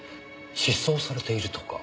失踪されているとか。